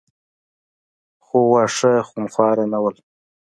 خو واښه خونخواره نه وو.